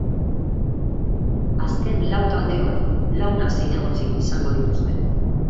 Azken lau taldeok launa zinegotzi izango dituzte.